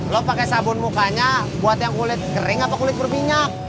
lo pakai sabun mukanya buat yang kulit kering atau kulit berminyak